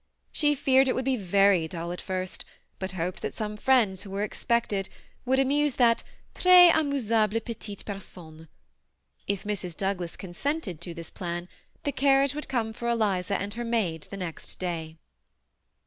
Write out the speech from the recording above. She feared it would be very dull at first, but hoped that some friends who were expected would amuse that ^ tres amusable petite personne." If Mrs. Douglas consented to this plan, the carriage would come for Eliza and her maid the next day.